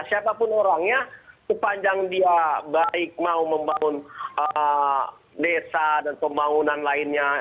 siapapun orangnya sepanjang dia baik mau membangun desa dan pembangunan lainnya